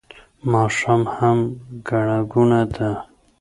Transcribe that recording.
ماښام هم ګڼه ګوڼه ده